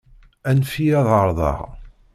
Anef-iyi ad ɛerḍeɣ.